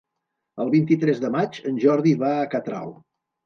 El vint-i-tres de maig en Jordi va a Catral.